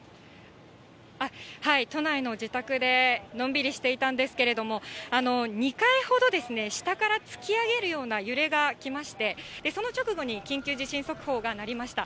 都内の自宅でのんびりしていたんですけれども、２回ほど下から突き上げるような揺れが来まして、その直後に緊急地震速報が鳴りました。